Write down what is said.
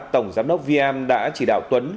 tổng giám đốc vm đã chỉ đạo tuấn